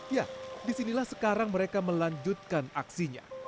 ya disinilah sekarang mereka melanjutkan aksinya